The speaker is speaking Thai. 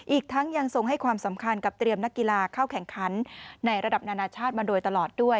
อีกทั้งยังทรงให้ความสำคัญกับเตรียมนักกีฬาเข้าแข่งขันในระดับนานาชาติมาโดยตลอดด้วย